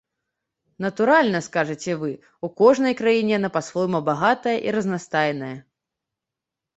Натуральна, скажаце вы, у кожнай краіне яна па-свойму багатая і разнастайная.